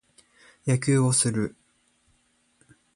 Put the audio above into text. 野球をする。